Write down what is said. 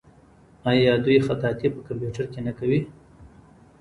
آیا دوی خطاطي په کمپیوټر کې نه کوي؟